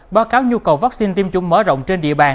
báo cáo nhu cầu vaccine tiêm chủng mở rộng trên địa bàn